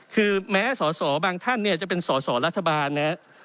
คือแม้สอสอบางท่านเนี่ยจะเป็นสอสอรัฐบาลนะครับ